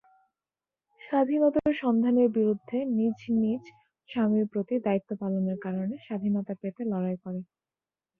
স্বাধীনতার সন্ধানের বিরুদ্ধে নিজ নিজ স্বামীর প্রতি দায়িত্ব পালনের কারণে স্বাধীনতা পেতে লড়াই করে।